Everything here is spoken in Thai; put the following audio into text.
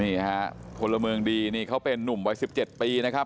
นี่ฮะพลเมืองดีนี่เขาเป็นนุ่มวัย๑๗ปีนะครับ